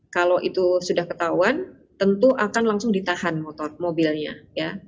kalau itu sudah ketahuan tentu akan langsung ditahan motor mobilnya ya